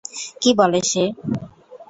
কী বলে সে?